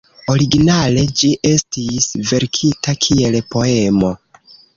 Originale ĝi estis verkita kiel poemo.